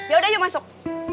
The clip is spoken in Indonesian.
ya udah yuk masuk